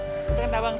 jangan patah semangat